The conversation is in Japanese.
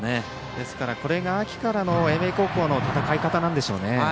ですから、これが秋からの英明高校の戦い方なんでしょうね。